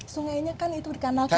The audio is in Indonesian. sungainya kan itu dikanalkan